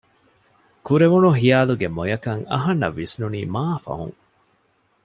ކުރެވުނު ހިޔާލުގެ މޮޔަކަން އަހަންނަށް ވިސްނުނީ މާ ފަހުން